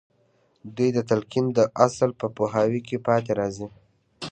دوی د تلقين د اصل په پوهاوي کې پاتې راځي.